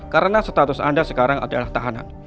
karena status anda sekarang adalah tahanan